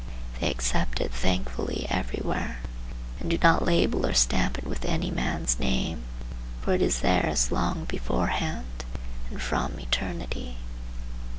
They accept it thankfully everywhere, and do not label or stamp it with any man's name, for it is theirs long beforehand, and from eternity.